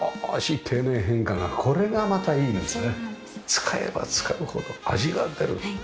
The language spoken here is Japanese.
使えば使うほど味が出る。